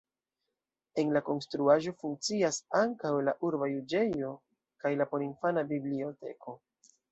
En la konstruaĵo funkcias ankaŭ la urba juĝejo kaj la porinfana biblioteko.